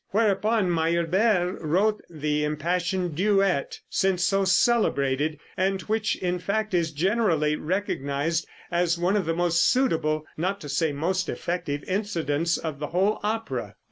Whereupon Meyerbeer wrote the impassioned duet, since so celebrated, and which in fact is generally recognized as one of the most suitable, not to say most effective, incidents of the whole opera.